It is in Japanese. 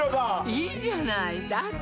いいじゃないだって